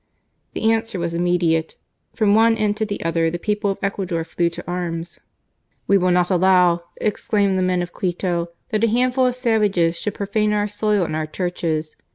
The answer was immediate : from one end to the other, the people of Ecuador flew to arms. " We will not allow," exclaimed the men of Quito, " that a handful of savages should profane our soil and our churches.